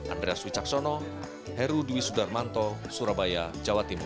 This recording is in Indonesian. andreas wicaksono heru dewi sudarmanto surabaya jawa timur